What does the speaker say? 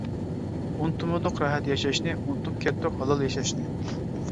ئۇنتۇمىدۇق راھەت ياشاشنى، ئۇنتۇپ كەتتۇق ھالال ياشاشنى.